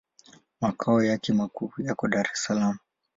Makao yake makuu yako Dar es Salaam.